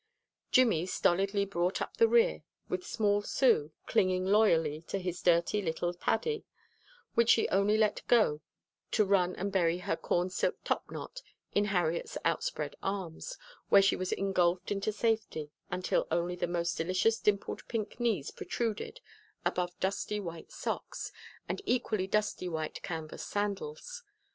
Jimmy stolidly brought up the rear with small Sue clinging loyally to his dirty little paddie, which she only let go to run and bury her cornsilk topknot in Harriet's outspread arms, where she was engulfed into safety until only the most delicious dimpled pink knees protruded above dusty white socks and equally dusty white canvas sandals.